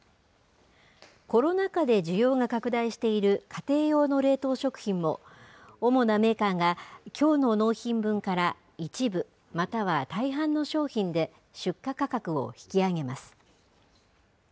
コロナ禍で需要が拡大している家庭用の冷凍食品も、主なメーカーが、きょうの納品分から一部、または大半の商品で、出荷価格を引き上げます。